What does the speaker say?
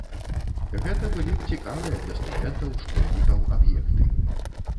Гэта былі б цікавыя для студэнтаў, школьнікаў аб'екты.